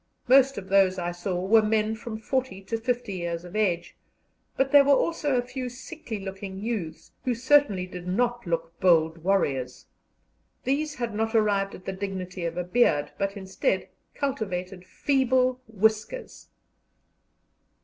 Most of those I saw were men of from forty to fifty years of age, but there were also a few sickly looking youths, who certainly did not look bold warriors. These had not arrived at the dignity of a beard, but, instead, cultivated feeble whiskers.